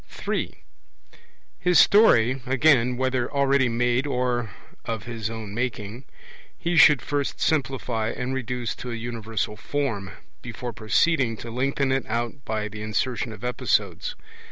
(3) His story, again, whether already made or of his own making, he should first simplify and reduce to a universal form, before proceeding to lengthen it out by the insertion of episodes.